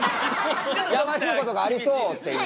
やましいことがありそうっていうね。